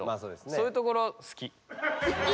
そういうところ好き。